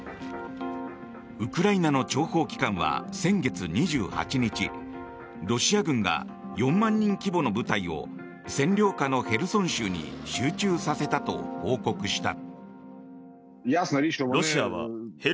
ウクライナの諜報機関は先月２８日ロシア軍が４万人規模の部隊を占領下のヘルソン州に集中させたと報告した。